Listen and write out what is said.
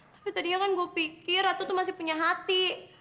tapi tadinya kan gue pikir ratu tuh masih punya hati